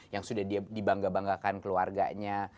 yang sudah dibangga banggakan keluarganya